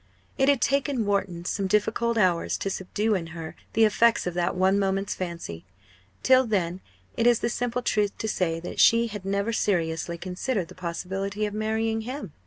It had taken Wharton some difficult hours to subdue in her the effects of that one moment's fancy. Till then it is the simple truth to say that she had never seriously considered the possibility of marrying him.